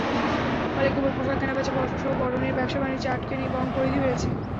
ফলে কেবল পোশাক কেনাবেচা বর্ষবরণের ব্যবসা-বাণিজ্যে আটকে নেই, বরং পরিধি বেড়েছে।